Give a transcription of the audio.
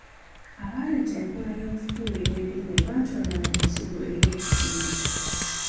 Abaaleeta enkola ey'okufuuyira ebirime baatwonoonera ensigo ey'okusimba.